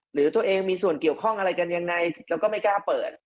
หรือตัวเองมีส่วนเกี่ยวข้องอะไรกันยังไงเราก็ไม่กล้าเปิด